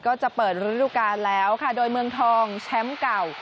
ก็จะเปิดฤดูกาลแล้วค่ะโดยเมืองทองแชมป์เก่า